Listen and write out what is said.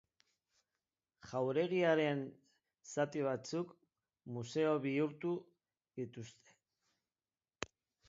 Jauregiaren zati batzuk museo bihurtu dituzte.